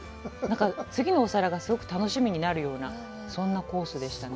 次のお皿がすごく楽しみになるような、そんなコースでしたね。